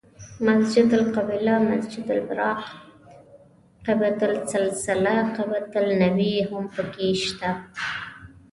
مسجد قبله، مسجد براق، قبة السلسله، قبة النبی هم په کې شته.